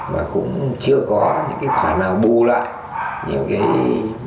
và cũng chưa có những cái khoản nào bù lại những cái mất mát những cái khó khăn của giáo viên mình